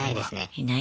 いないか。